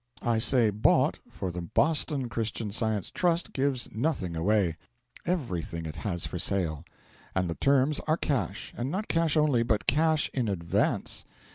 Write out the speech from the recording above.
I say bought, for the Boston Christian Science Trust gives nothing away; everything it has for sale. And the terms are cash; and not cash only but cash in advance.